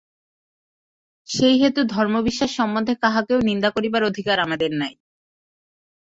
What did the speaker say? সেই হেতু ধর্মবিশ্বাস সম্বন্ধে কাহাকেও নিন্দা করিবার অধিকার আমাদের নাই।